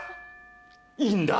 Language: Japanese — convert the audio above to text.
いいんだ。